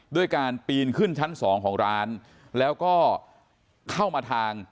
ด้วยการปีนขึ้นชั้นสองของร้านแล้วก็เข้ามาทาง